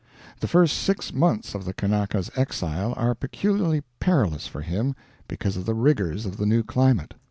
The first six months of the Kanaka's exile are peculiarly perilous for him because of the rigors of the new climate.